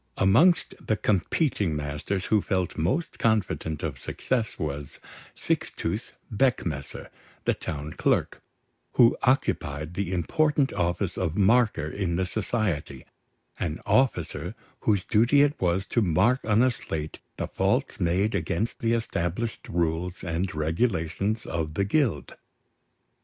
Amongst the competing masters who felt most confident of success was Sixtus Beckmesser, the town clerk, who occupied the important office of marker in the society, an officer whose duty it was to mark on a slate the faults made against the established rules and regulations of the Guild.